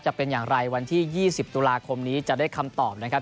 จะเป็นอย่างไรวันที่๒๐ตุลาคมนี้จะได้คำตอบนะครับ